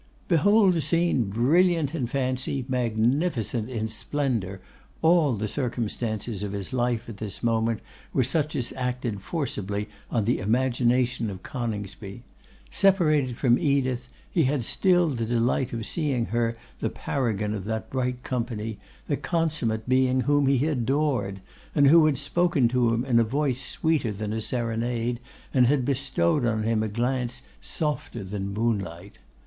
Behold a scene brilliant in fancy, magnificent in splendour! All the circumstances of his life at this moment were such as acted forcibly on the imagination of Coningsby. Separated from Edith, he had still the delight of seeing her the paragon of that bright company, the consummate being whom he adored! and who had spoken to him in a voice sweeter than a serenade, and had bestowed on him a glance softer than moonlight!